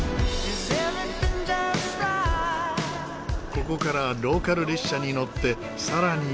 ここからローカル列車に乗ってさらに南へ。